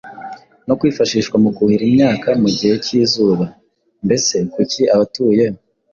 no kwifashishwa mu kuhira imyaka mu gihe k’izuba. Mbese kuki abatuye